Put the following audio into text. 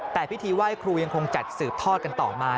แต่พิธีไหว้ครูยังคงจัดสืบทอดกันต่อมา